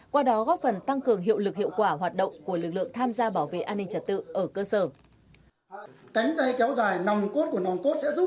qua đó góp phần tăng cường hiệu lực hiệu quả hoạt động của lực lượng tham gia bảo vệ an ninh trật tự ở cơ sở